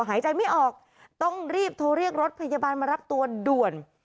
หายใจไม่ออกต้องรีบโทรเรียกรถพยาบาลมารับตัวด่วน